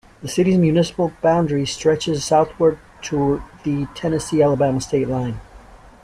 The city's municipal boundary stretches southward to the Tennessee-Alabama state line.